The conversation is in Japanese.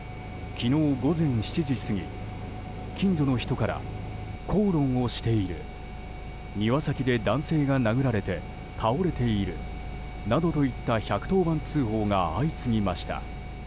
昨日午前７時過ぎ近所の人から口論をしている庭先で男性が殴られて倒れているなどといった１１０番通報が相次ぎました。